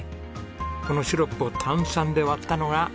このシロップを炭酸で割ったのが。